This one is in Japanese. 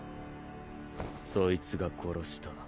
そいつが殺した。